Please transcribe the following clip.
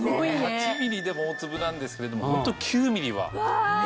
８ｍｍでも大粒なんですけれどもホント９ｍｍは。